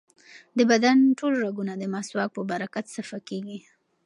د بدن ټول رګونه د مسواک په برکت صفا کېږي.